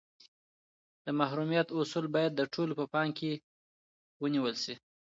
د محرمیت اصول باید د ټولو په پام کي نیول سي.